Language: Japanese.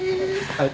はい。